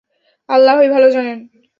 আল্লাহই ভালো জানেন।